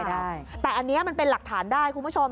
แต่อันนี้มันเป็นหลักฐานได้คุณผู้ชม